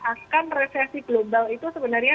akan resesi global itu sebenarnya